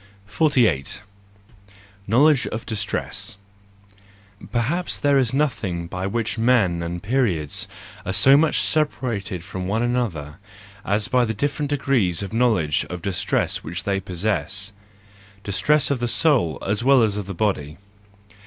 48. Knowledge of Distress .—Perhaps there is nothing by which men and periods are so much separated from one another, as by the different degrees of knowledge of distress which they possess ; distress of the soul as well as of the body.